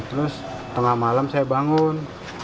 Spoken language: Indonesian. terus tengah malam saya bangun